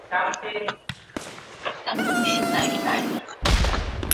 其作词家的身份获得极高的评价。